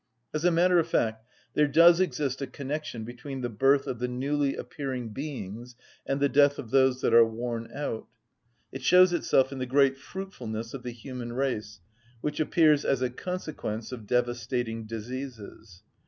As a matter of fact there does exist a connection between the birth of the newly appearing beings and the death of those that are worn out. It shows itself in the great fruitfulness of the human race which appears as a consequence of devastating diseases.